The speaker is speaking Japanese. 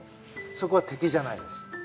そこは敵じゃないです。